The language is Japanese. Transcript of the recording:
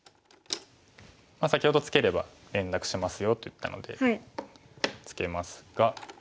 先ほど「ツケれば連絡しますよ」と言ったのでツケますが。